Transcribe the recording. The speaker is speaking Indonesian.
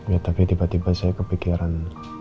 ya tapi tiba tiba saya kepikiran